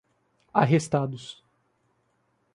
arrestados